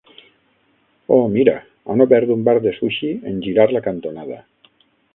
Oh, mira, han obert un bar de sushi en girar la cantonada.